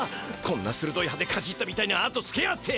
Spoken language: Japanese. こんなするどい歯でかじったみたいなあとつけやがって！